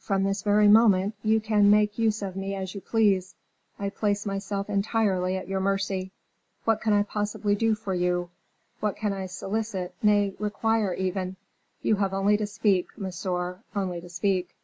From this very moment you can make use of me as you please, I place myself entirely at your mercy. What can I possibly do for you? What can I solicit, nay, require even? You have only to speak, monsieur, only to speak."